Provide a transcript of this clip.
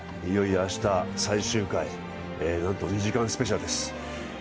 いよいよ明日、最終回なんと２時間スペシャルです。